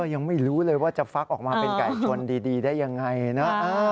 ยังไม่รู้เลยว่าจะฟักออกมาเป็นไก่ชนดีได้ยังไงนะ